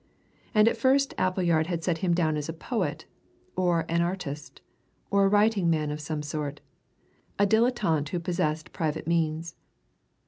And at first Appleyard had set him down as a poet, or an artist, or a writing man of some sort a dilettante who possessed private means.